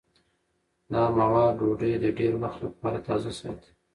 دا مواد ډوډۍ د ډېر وخت لپاره تازه ساتي.